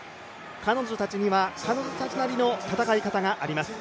彼女たちには、彼女たちなりの戦い方があります。